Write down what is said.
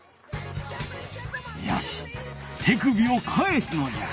よし手首を返すのじゃ！